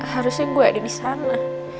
harusnya gue ada disana